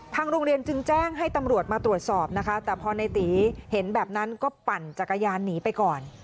โรงเรียนจึงแจ้งให้ตำรวจมาตรวจสอบนะคะแต่พอในตีเห็นแบบนั้นก็ปั่นจักรยานหนีไปก่อน